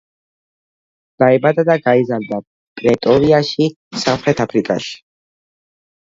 დაიბადა და გაიზარდა პრეტორიაში, სამხრეთ აფრიკაში.